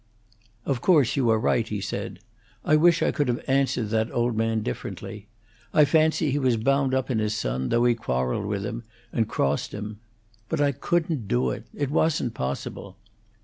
"Of course; you are right," he said. "I wish I could have answered that old man differently. I fancy he was bound up in his son, though he quarrelled with him, and crossed him. But I couldn't do it; it wasn't possible."